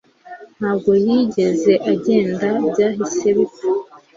Ntabwo yigeze agenda byahise bipfa